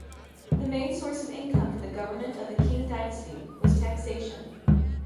The main source of income for the government of the Qing dynasty was taxation.